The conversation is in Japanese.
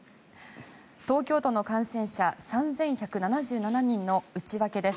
東京都の感染者３１７７人の内訳です。